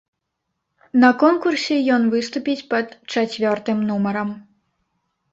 На конкурсе ён выступіць пад чацвёртым нумарам.